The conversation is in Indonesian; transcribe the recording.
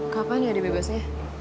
kapan ya dia bebasnya